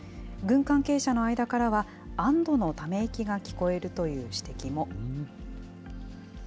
軍関係者の間からは、安どのため息が聞こえるという指摘も。